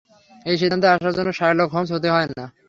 এই সিদ্ধান্তে আসার জন্যে শার্লক হোমস হতে হয় না।